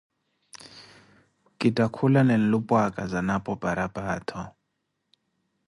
kitthakulane nlupwaaka zanapo parapaattho.